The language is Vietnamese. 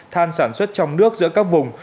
than sản xuất trong nước giữa các vùng